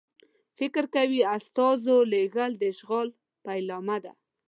فکر کوي استازو لېږل د اشغال پیلامه ده.